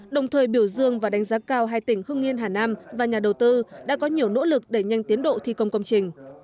đồng thời biểu dương và đánh giá cao hai tỉnh hưng yên hà nam và nhà đầu tư đã có nhiều nỗ lực đẩy nhanh tiến độ thi công công trình